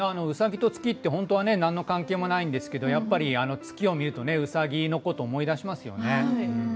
兎と月って本当はね何の関係もないんですけどやっぱり月を見るとね兎のことを思い出しますよね。